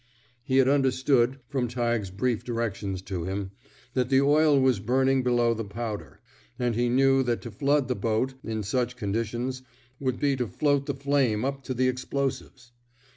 He had understood, from Tighe's brief directions to him, that the oil was burning below the powder; and he knew that to flood the boat, in such conditions, would be to float the flame up to the explosives.